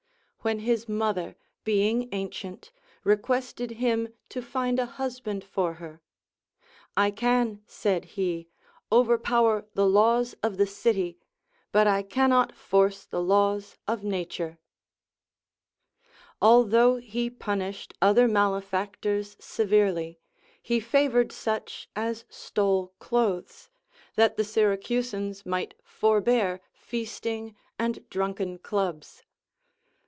When his mother, being ancient, requested him to find a husband for her, I can, said he, overpower the laws of the city, but I cannot force the laws of Nature. Although he punished other malefactors severely, he favored such as stole clothes, that 192 THE APOPHTHEGMS OF KINGS the Syracusans might forbear feasting and drunken clubs.